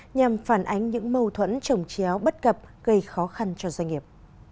nhằm phản ánh những mâu thuẫn trồng chéo bất cập gây khó khăn cho doanh nghiệp